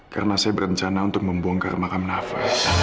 karena saya berencana untuk membongkar makam nafa